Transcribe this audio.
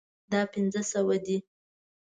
دا پنځه سوه دي